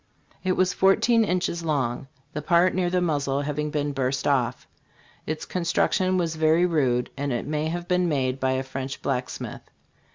It was fourteen inches long, the part near the muzzle having been burst off. Its construc tion was very rude, and it may have been made by a French blacksmith.